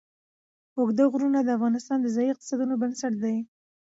اوږده غرونه د افغانستان د ځایي اقتصادونو بنسټ دی.